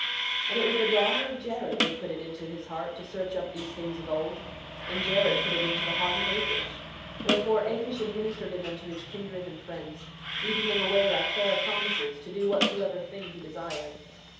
8:17 And it was the daughter of Jared who put it into his heart to search up these things of old; and Jared put it into the heart of Akish; wherefore, Akish administered it unto his kindred and friends, leading them away by fair promises to do whatsoever thing he desired.